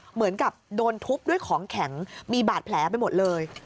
เหมือนกับโดนทุบด้วยของแข็งมีบาดแผลไปหมดเลย